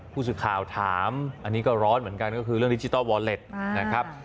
ผู้สื่อข่าวถามอันนี้ก็ร้อนเหมือนกันก็คือเรื่องดิจิทัลวอลเล็ตนะครับ